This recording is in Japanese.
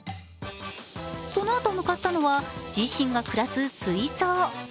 そのあと向かったのは自身が暮らす水槽。